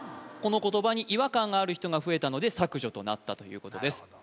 この言葉に違和感がある人が増えたので削除となったということです